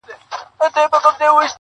ډېر قوي دی،